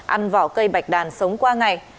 ăn vỏ cây bạch đàn sống qua ngày